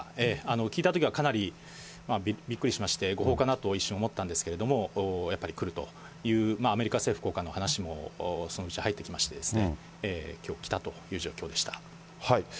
聞いたときはかなりびっくりしまして、誤報かなと、一瞬思ったんですけど、やっぱり来るという、アメリカ政府高官の話も、そのうち入ってきましてですね、きょう来たという状況でした。